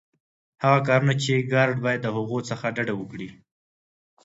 هغه کارونه چي ګارډ باید د هغوی څخه ډډه وکړي.